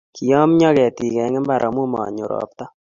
Kiyamyo ketik eng mbar amu manyor ropta